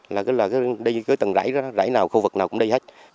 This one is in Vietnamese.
là cứ đi cứ tầng rãi ra đó rãi nào khu vực nào cũng đi hết